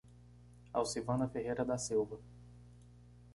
Alcivana Ferreira da Silva